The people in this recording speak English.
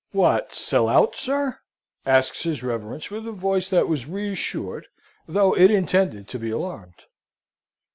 "What, sell out, sir?" asks his reverence, with a voice that was reassured, though it intended to be alarmed.